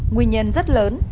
nguyên nhân rất lớn